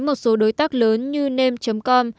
một số đối tác lớn như name com